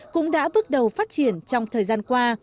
cũng đã bước đầu phát triển trong thời gian qua